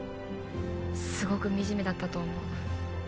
すごく惨めだったと思う